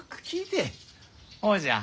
ほうじゃ。